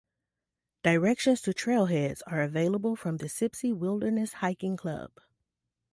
Directions to trailheads are available from the Sipsey Wilderness Hiking Club.